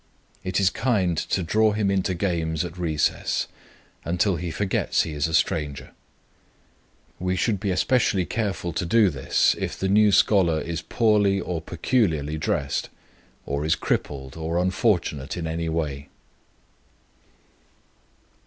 It is kind to draw him into games at recess until he forgets he is a stranger. We should be especially careful to do all this if the new scholar is poorly or peculiarly dressed, or is crippled, or unfortunate in any way.